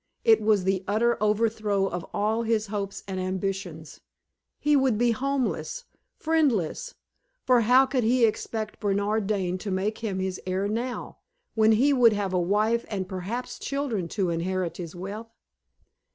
It was the utter overthrow of all his hopes and ambitions. He would be homeless, friendless; for how could he expect Bernard Dane to make him his heir now, when he would have a wife and perhaps children to inherit his wealth?